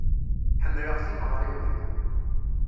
Ḥemmleɣ timeɣriwin.